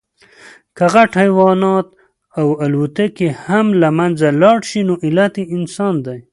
که غټ حیوانات او الوتونکي هم له منځه لاړل، نو علت انسان دی.